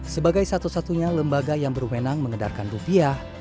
sebagai satu satunya lembaga yang berwenang mengedarkan rupiah